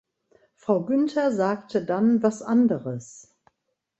Frau Günther sagte dann was anderes.